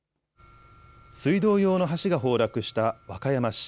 水道用の橋が崩落した和歌山市。